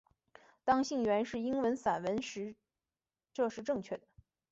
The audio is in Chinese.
当信源是英文散文时这是正确的。